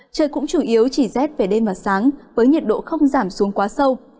trời cũng chủ yếu chỉ rét về đêm và sáng với nhiệt độ không giảm xuống quá sâu